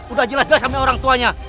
udah jelas jelas kami orang tuanya